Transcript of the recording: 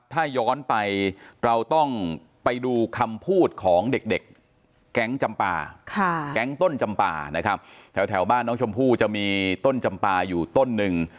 ถ้าย้อนไปเราต้องไปดูคำพูดของเด็กแก๊งจำปาแก๊งต้นจำปานะครับแถวบ้านน้องชมพู่จะมีต้นจำปาอยู่ต้นหนึ่ง